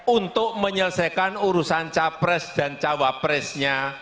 untuk menyelesaikan urusan capres dan cawapresnya